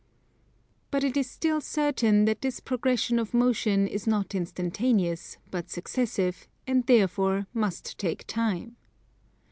But it is still certain that this progression of motion is not instantaneous, but successive, and therefore must take time.